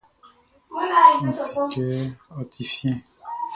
N si kɛ ɔ ti fiɛn.